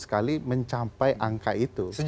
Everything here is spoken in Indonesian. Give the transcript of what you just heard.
sekali mencapai angka itu